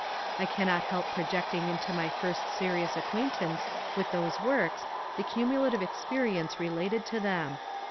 I cannot help projecting into my first serious acquaintance with those works the cumulative experience related to them.